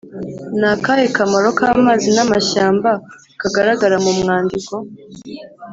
ni akahe kamaro k’amazi n’amashyamba kagaragara mu mwandiko’